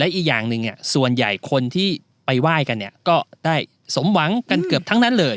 อีกอย่างหนึ่งส่วนใหญ่คนที่ไปไหว้กันก็ได้สมหวังกันเกือบทั้งนั้นเลย